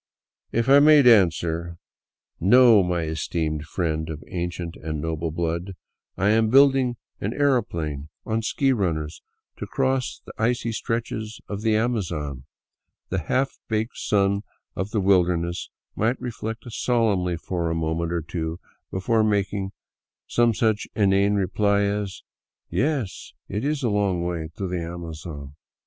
If I made answer, "No, my esteemed friend of ancient and noble blood, I am building an aero 267 VAGABONDING DOWN THE ANDES plane on sleigh runners to cross the icy stretches of the Amazon," the half baked son of the wilderness might reflect solemnly a moment or two before making some such inane reply as, " Yes, it is a long way to the Amazon."